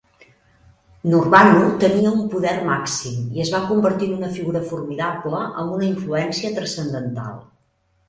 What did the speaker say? Nurbanu tenia un poder màxim i es va convertir en una figura formidable amb una influència transcendental.